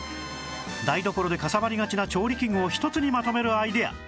台所でかさばりがちな調理器具を１つにまとめるアイデア